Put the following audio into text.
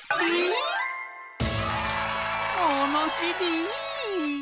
ものしり！